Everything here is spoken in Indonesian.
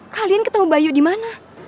kalian ketemu bayu di mana